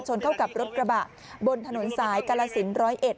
ชนเข้ากับรถกระบะบนถนนสายกาลาศิลป์๑๐๑